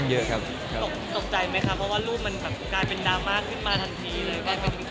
ต้นมหรือว่ารูปมันกลายเป็นดรามะขึ้นมาทันดี